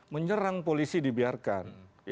menyerang polisi dibiarkan